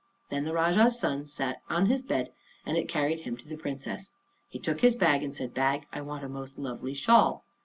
Then the Rajah's son sat on his bed, and it carried him to the Princess. He took his bag and said, "Bag, I want a most lovely shawl."